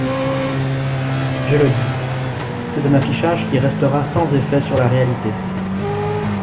Je le dis : c’est un affichage qui restera sans effet sur la réalité.